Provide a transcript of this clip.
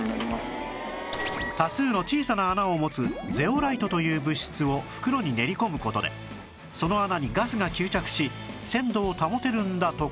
多数の小さな穴を持つゼオライトという物質を袋に練り込む事でその穴にガスが吸着し鮮度を保てるんだとか